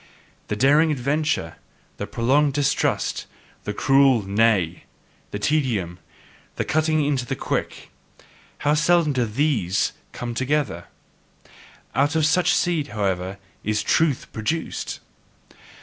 The daring venture, the prolonged distrust, the cruel Nay, the tedium, the cutting into the quick how seldom do THESE come together! Out of such seed, however is truth produced!